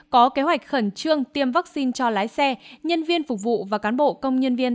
có kế hoạch khẩn trương tiêm vaccine cho lái xe nhân viên phục vụ và cán bộ công nhân viên